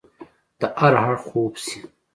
د هر اړخ خوب شي